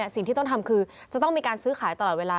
สิ่งที่ต้องทำคือจะต้องมีการซื้อขายตลอดเวลา